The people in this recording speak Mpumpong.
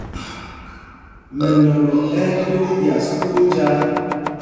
Mɛnɔlɔ ɛ́ ɛ́ dō ɓyas twóó njāā.